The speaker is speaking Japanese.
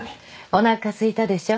おなかすいたでしょ。